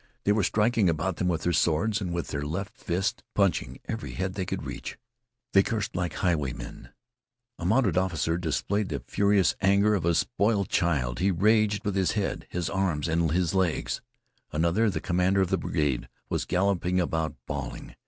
They were striking about them with their swords and with their left fists, punching every head they could reach. They cursed like highwaymen. A mounted officer displayed the furious anger of a spoiled child. He raged with his head, his arms, and his legs. Another, the commander of the brigade, was galloping about bawling.